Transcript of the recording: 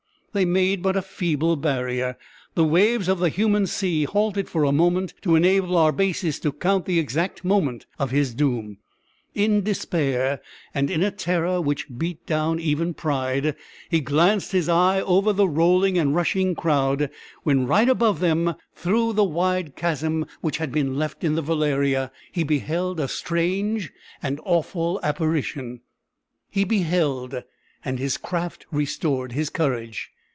They made but a feeble barrier; the waves of the human sea halted for a moment, to enable Arbaces to count the exact moment of his doom! In despair, and in a terror which beat down even pride, he glanced his eye over the rolling and rushing crowd; when, right above them, through the wide chasm which had been left in the velaria, he beheld a strange and awful apparition; he beheld, and his craft restored his courage!